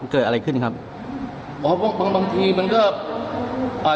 เกิดอะไรขึ้นครับอ๋อบางบางทีมันก็อ่า